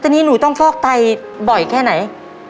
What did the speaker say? ทีนี้หนูต้องฟอกไตบ่อยแค่ไหน